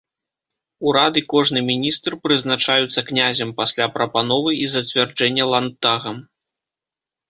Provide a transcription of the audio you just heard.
Урад і кожны міністр прызначаюцца князем пасля прапановы і зацвярджэння ландтагам.